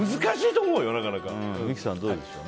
三木さん、どうでしょうか。